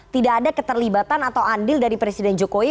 tidak ada keterlibatan atau andil dari presiden jokowi